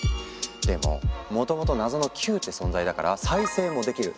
でももともと謎の「球」って存在だから再生もできる。